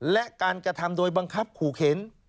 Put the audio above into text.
และการกระทำโดยบังคับขู่เข็น